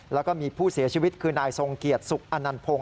แล้วก็มีผู้เสียชีวิตคือนายทรงเกียจสุขอนันพงศ